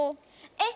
えっ